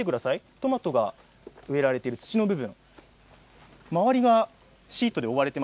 トマトが出られている紙の部分